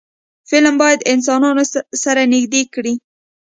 فلم باید انسانان سره نږدې کړي